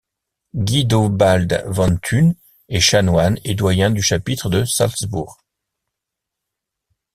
Guidobald von Thun est chanoine et doyen du chapitre de Salzbourg.